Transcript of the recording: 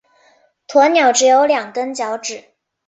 鸵鸟只有两根脚趾。